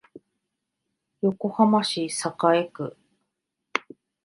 横浜市栄区